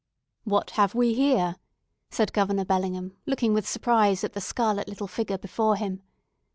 "What have we here?" said Governor Bellingham, looking with surprise at the scarlet little figure before him.